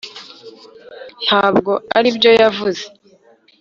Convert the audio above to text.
ntabwo aribyo yavuze